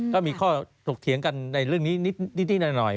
ก็มีข้อถกเถียงกันในเรื่องนี้นิดหน่อย